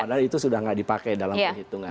padahal itu sudah tidak dipakai dalam penghitungan